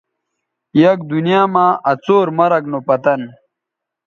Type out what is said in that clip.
یک دنیاں مہ آ څور مرگ نو پتن